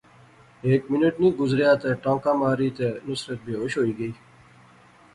ہیک منٹ نی گزریا تے ٹانکا ماری تے نصرت بیہوش ہوئی گئی